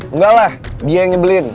enggak lah dia yang nyebelin